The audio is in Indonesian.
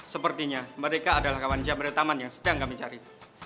sepertinya mereka adalah kawan jamretaman yang sedang kami cari